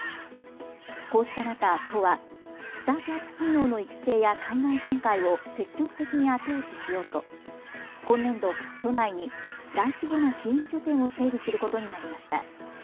こうした中、都はスタートアップ企業の育成や海外展開を積極的に後押ししようと今年度、都内に大規模な支援拠点を整備することになりました。